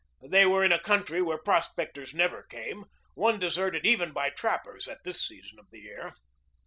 They were in a country where prospectors never came, one deserted even by trappers at this season of the year.